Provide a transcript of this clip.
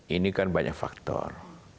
ini kan banyak faktor